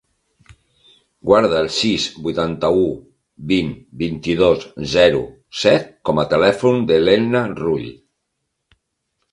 Guarda el sis, vuitanta-u, vint, vint-i-dos, zero, set com a telèfon de l'Elna Rull.